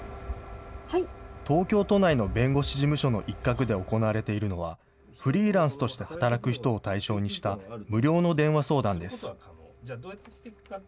東京都内の弁護士事務所の一角で行われているのは、フリーランスとして働く人を対象にした無料の電話相談です。